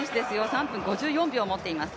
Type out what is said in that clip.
３分５４秒持っています。